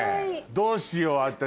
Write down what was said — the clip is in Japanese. どうしよう私。